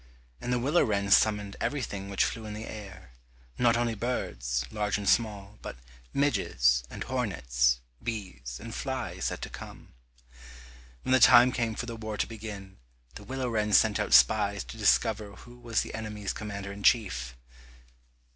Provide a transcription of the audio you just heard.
And the willow wren summoned everything which flew in the air, not only birds, large and small, but midges, and hornets, bees and flies had to come. When the time came for the war to begin, the willow wren sent out spies to discover who was the enemy's commander in chief.